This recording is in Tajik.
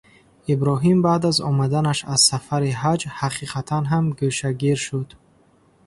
Иброҳим баъд аз омаданаш аз сафари ҳаҷ, ҳақиқатан ҳам гӯшагир шуд.